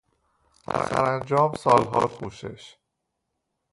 سرانجام سالها کوشش